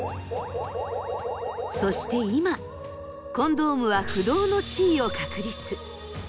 そして今コンドームは不動の地位を確立。